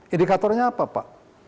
indikatornya apa pak